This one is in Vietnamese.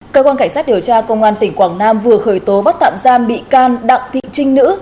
cơ quan cảnh sát điều tra công an tỉnh quảng nam vừa khởi tố bắt tạm giam bị can đặng thị trinh nữ